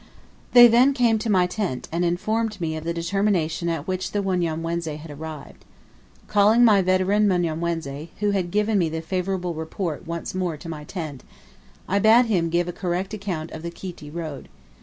They then came to my tent, and informed me of the determination at which the Wanyamwezi had arrived. Calling my veteran Mnyamwezi, who had given me the favourable report once more to my tent, I bade him give a correct account of the Kiti road.